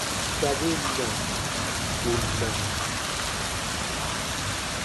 Sabin na, ù na.